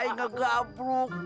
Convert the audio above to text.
ayah saya ngegabruk